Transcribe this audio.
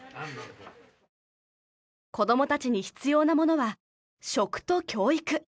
子どもたちに必要なものは食と教育。